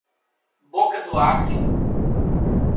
Boca do Acre